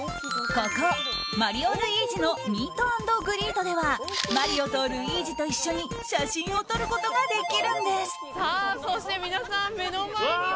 ここ、マリオ・ルイージのミート＆グリートではマリオとルイージと一緒に写真を撮ることができるんです。